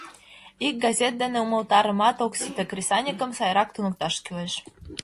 Ик газет дене умылтарымат ок сите, кресаньыкым сайрак туныкташ кӱлеш.